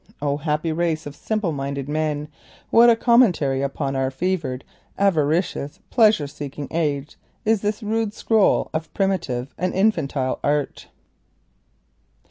Oh, happy race of simple minded men, what a commentary upon our fevered, avaricious, pleasure seeking age is this rude scroll of primitive and infantile art!"